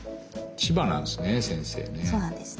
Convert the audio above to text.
千葉なんですね先生ね。